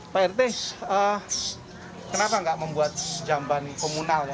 pak rt kenapa nggak membuat jamban komunal ya